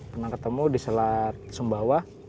pernah ketemu di selat sumbawa